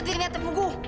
nih ini aku tunggu